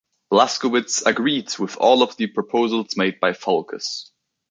Blaskowitz agreed with all of the proposals made by Foulkes.